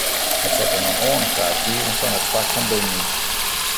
Wat sette him oan ta it kiezen fan it fak fan dûmny?